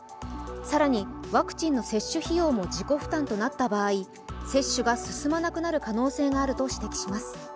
更に、ワクチンの接種費用も自己負担となった場合接種が進まなくなる可能性があると指摘します。